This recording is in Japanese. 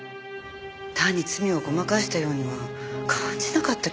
単に罪をごまかしたようには感じなかったけど。